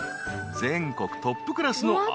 ［全国トップクラスの］